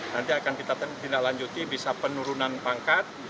nanti akan kita tindaklanjuti bisa penurunan pangkat